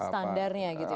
standarnya gitu ya